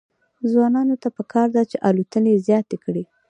ځوانانو ته پکار ده چې، الوتنې زیاتې کړي.